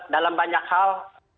dalam banyak hal